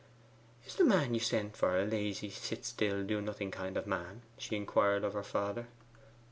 'Is the man you sent for a lazy, sit still, do nothing kind of man?' she inquired of her father.